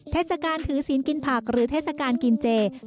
เทศกาลถือศีลกินผักหรือเทศกาลกินเจ